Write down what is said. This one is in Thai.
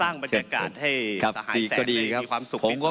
สร้างบรรยากาศให้สหายแสงให้ความสุขดีครับครับดีก็ดีครับ